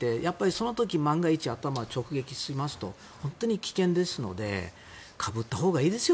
その時万が一、頭を直撃しますと本当に危険ですのでかぶったほうがいいですよ